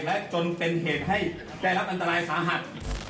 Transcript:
และจนเป็นเหตุให้ได้รับอันตรายสาหัส